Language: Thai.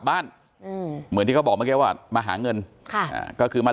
ไปทำแผนจุดเริ่มต้นที่เข้ามาที่บ่อนที่พระราม๓ซอย๖๖เลยนะครับทุกผู้ชมครับ